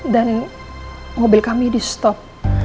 dan mobil kami di stop